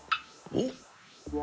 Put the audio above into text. おっ！